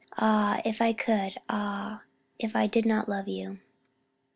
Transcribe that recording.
Ah, if I could! Ah, if I did not love you!